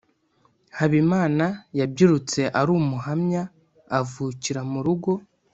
Habimana yabyirutse ari umuhanya, avukira mu rugo